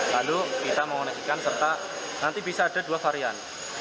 lalu kita mengoleksikan serta nanti bisa ada dua varian